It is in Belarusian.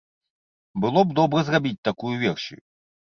Было б добра зрабіць такую версію.